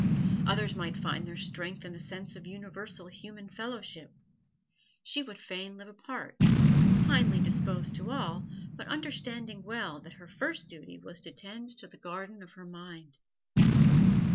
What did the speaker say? Others might find their strength in the sense of universal human fellowship; she would fain live apart, kindly disposed to all, but understanding well that her first duty was to tend the garden of her mind.